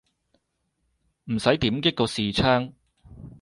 唔使點擊個視窗